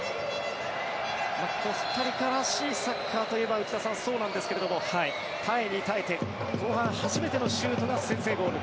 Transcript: コスタリカらしいサッカーといえば内田さん、そうなんですけれども耐えに耐えて後半初めてのシュートが先制ゴール。